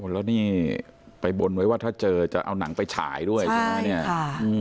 แล้วนี่ไปบนไว้ว่าถ้าเจอจะเอาหนังไปฉายด้วยใช่ไหมเนี่ย